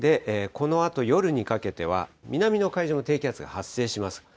このあと夜にかけては、南の海上に低気圧が発生します。